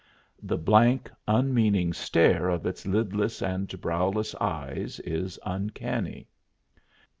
The blank, unmeaning stare of its lidless and browless eyes is uncanny.